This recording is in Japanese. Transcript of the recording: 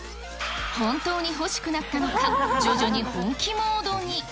本当に欲しくなったのか、徐々に本気モードに。